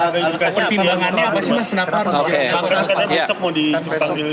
mas pertimbangannya apa sih